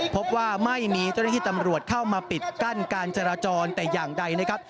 พบว่าไม่มีเจ้าหน้าที่ตำรวจเข้ามาปิดกั้นการจราจรแต่อย่างใดนะครับ